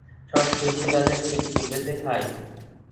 সব শিল্পীই তাদের শিল্প বেচে খায়।